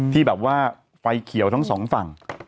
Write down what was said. ที่แบบว่าไฟเขียวทั้งสองฝั่ง